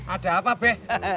ada apa be